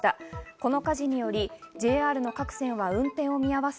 この火事によりＪＲの各線が運転を見合わせ。